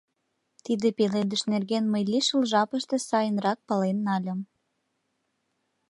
Тиде пеледыш нерген мый лишыл жапыште сайынрак пален нальым.